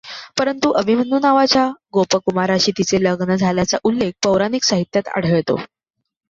परंतु अभिमन्यू नावाच्या गोपकुमाराशी तिचे लग्न झाल्याचा उल्लेख पौराणिक साहित्यात आढळतो.